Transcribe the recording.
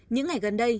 những ngày gần đây